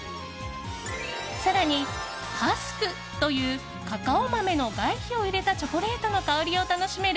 更にハスクというカカオ豆の外皮を入れたチョコレートの香りを楽しめる